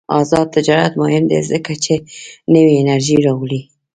آزاد تجارت مهم دی ځکه چې نوې انرژي راوړي.